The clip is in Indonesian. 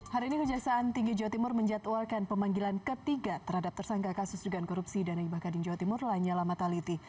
hari ini kejaksaan tinggi jawa timur menjatuhkan pemanggilan ketiga terhadap tersangka kasus dugaan korupsi dana ibah kadin jawa timur lanyala mataliti